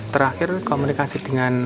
terakhir komunikasi dengan